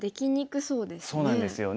そうなんですよね。